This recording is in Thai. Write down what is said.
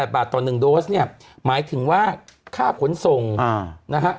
๘บาทต่อ๑โดสเนี่ยหมายถึงว่าค่าขนส่งนะฮะ